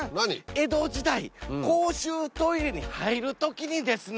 江戸時代公衆トイレに入る時にですね